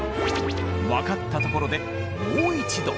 分かったところでもう一度！